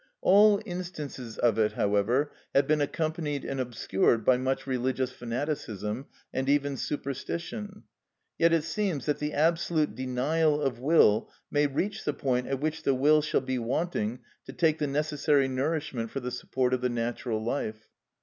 All instances of it, however, have been accompanied and obscured by much religious fanaticism, and even superstition. Yet it seems that the absolute denial of will may reach the point at which the will shall be wanting to take the necessary nourishment for the support of the natural life.